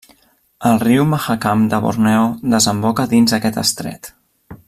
El riu Mahakam de Borneo desemboca dins aquest estret.